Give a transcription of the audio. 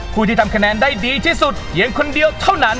ผู้ที่ทำคะแนนได้ดีที่สุดเพียงคนเดียวเท่านั้น